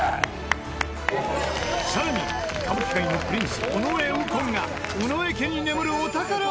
さらに歌舞伎界のプリンス尾上右近が尾上家に眠るお宝を持ってきた！